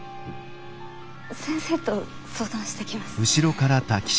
先生と相談してきます。